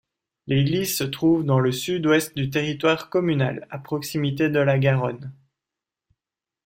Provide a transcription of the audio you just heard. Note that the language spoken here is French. L'église se trouve dans le sud-ouest du territoire communal, à proximité de la Garonne.